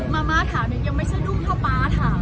มาม่าถามยังไม่แบบดุงข้าวป๊าถาม